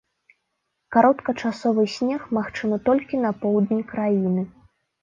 Кароткачасовы снег магчымы толькі на поўдні краіны.